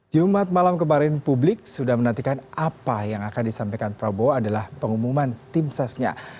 jumat malam kemarin publik sudah menantikan apa yang akan disampaikan prabowo adalah pengumuman tim sesnya